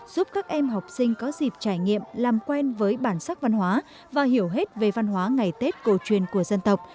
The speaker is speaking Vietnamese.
giúp các em học sinh có dịp trải nghiệm làm quen với bản sắc văn hóa và hiểu hết về văn hóa ngày tết cổ truyền của dân tộc